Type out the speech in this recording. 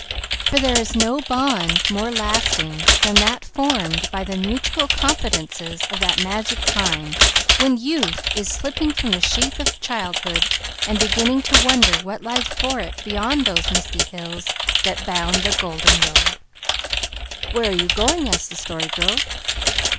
For there is no bond more lasting than that formed by the mutual confidences of that magic time when youth is slipping from the sheath of childhood and beginning to wonder what lies for it beyond those misty hills that bound the golden road. "Where are you going?" asked the Story Girl.